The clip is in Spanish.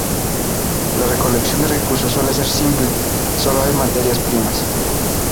La recolección de recursos suele ser simple, sólo hay materias primas.